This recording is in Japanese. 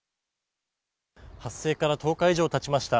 発生から１０日以上たちました。